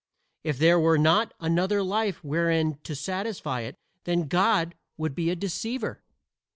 If there were not another life wherein to satisfy it then God would be a deceiver.